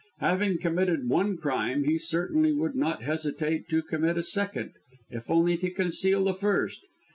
Having committed one crime he certainly would not hesitate to commit a second, if only to conceal the first.